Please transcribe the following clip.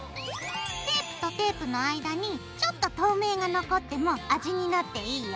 テープとテープの間にちょっと透明が残っても味になっていいよ。